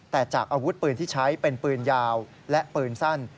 แต่จากอาวุธปืนที่ใช้เป็นปืนยาวและปืนสั้น